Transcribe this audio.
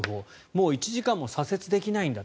もう１時間も左折できないんだ